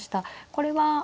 これは。